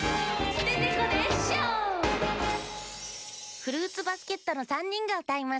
フルーツバスケットのさんにんがうたいます。